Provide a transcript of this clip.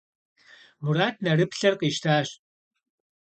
Мурат нэрыплъэр къищтащ.